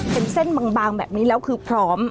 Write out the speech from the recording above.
เป็นเส้นบางแบบนี้แล้วคือพร้อม